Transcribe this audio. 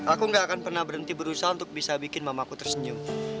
aku gak akan pernah berhenti berusaha untuk bisa bikin mamaku tersenyum